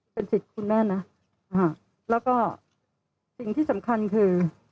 เป็นสิทธิ์คุณแม่นะแล้วก็สิ่งที่สำคัญคือ